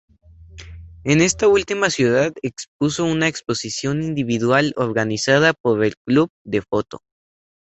En esta última ciudad expuso una exposición individual organizada por el Club de Foto.